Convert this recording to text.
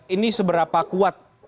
ini seberapa kuat